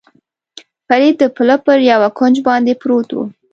فرید د پله پر یوه کونج باندې پروت و.